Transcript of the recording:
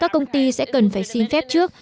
các công ty sẽ cần phải xin phép trước